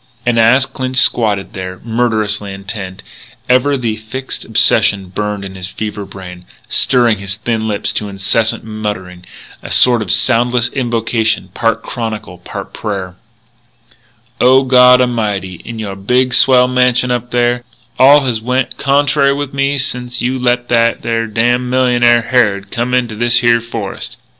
And, as Clinch squatted there, murderously intent, ever the fixed obsession burned in his fever brain, stirring his thin lips to incessant muttering, a sort of soundless invocation, part chronicle, part prayer: "O God A'mighty, in your big, swell mansion up there, all has went contrary with me sence you let that there damn millionaire, Harrod, come into this here forest....